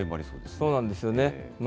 そうなんですよね。